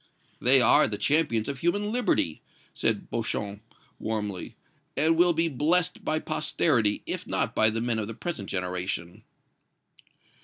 "They are the champions of human liberty," said Beauchamp, warmly, "and will be blessed by posterity, if not by the men of the present generation."